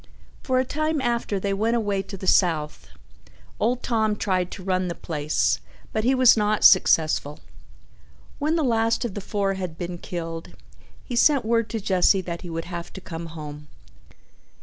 For a time after they went away to the South, old Tom tried to run the place, but he was not successful. When the last of the four had been killed he sent word to Jesse that he would have to come home.